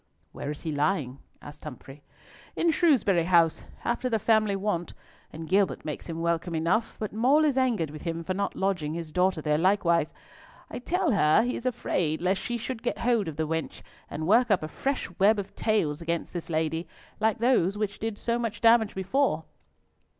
"Where is he lying?" asked Humfrey. "In Shrewsbury House, after the family wont, and Gilbert makes him welcome enough, but Mall is angered with him for not lodging his daughter there likewise! I tell her he is afraid lest she should get hold of the wench, and work up a fresh web of tales against this lady, like those which did so much damage before.